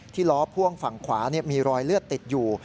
ล้อพ่วงฝั่งขวามีรอยเลือดติดอยู่